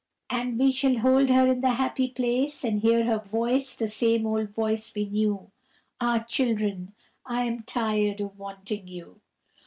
And we shall hold her, in the happy place, And hear her voice, the old same voice we knew "Ah! children, I am tired of wanting you!"